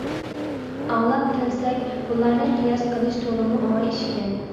» «ئاڭلاپ كەلسەك، بۇلارنى قىياس قىلىش تولىمۇ ئوڭاي ئىشكەن.